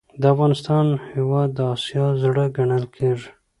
دافغانستان هیواد د اسیا زړه ګڼل کیږي.